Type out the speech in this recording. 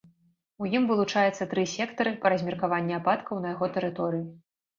У ім вылучаецца тры сектары па размеркаванні ападкаў на яго тэрыторыі.